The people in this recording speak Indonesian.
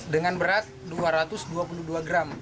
dengan berat dua ratus dua puluh dua gram